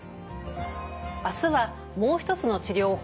明日はもう一つの治療法手術です。